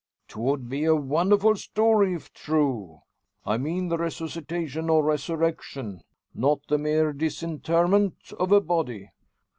"'Twould be a wonderful story, if true I mean the resuscitation, or resurrection; not the mere disinterment of a body.